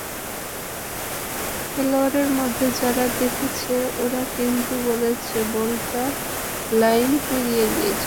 খেলোয়াড়ের মধ্যে যারা দেখেছে, ওরা কিন্তু বলেছে বলটা লাইন পেরিয়ে গিয়েছিল।